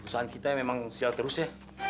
perusahaan kita memang sial terus ya